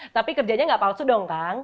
tapi kerjanya nggak palsu dong kang